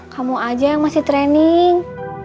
kamu aja yang masih training